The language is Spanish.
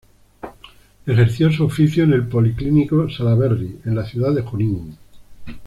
Ejerció su oficio en el Policlínico Salaberry, en la ciudad de Junín.